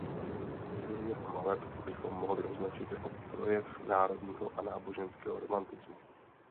Styl jeho maleb bychom mohli označit jako projev národního a náboženského romantismu.